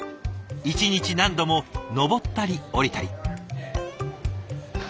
一日何度も上ったり下りたり。